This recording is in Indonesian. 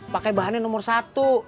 pakai bahannya nomor satu